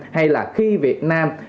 hay là khi việt nam